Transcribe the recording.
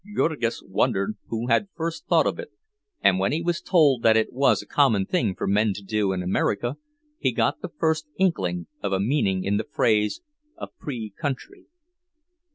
Jurgis wondered who had first thought of it; and when he was told that it was a common thing for men to do in America, he got the first inkling of a meaning in the phrase "a free country."